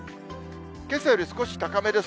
けさより少し高めです。